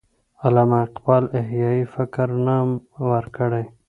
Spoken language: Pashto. علامه اقبال احیای فکر نوم ورکړی.